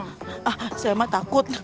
ah saya mah takut